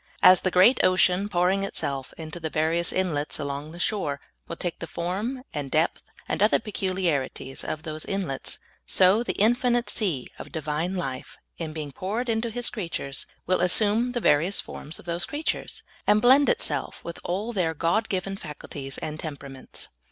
As the great ocean pouring itself into the various inlets along the shore will take the form and depth and other peculiarities of those in lets, so the infinite sea of Divine life, in being poured into His creatures, will assume the various forms of those creatures, and blend itself with all their God given faculties and temperaments.